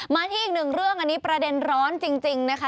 มาที่อีกหนึ่งเรื่องอันนี้ประเด็นร้อนจริงนะคะ